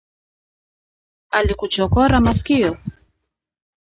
Alikuchokora maskio?